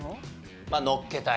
まあのっけたり。